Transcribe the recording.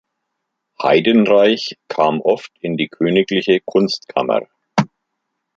Heidenreich kam oft in die königliche Kunstkammer.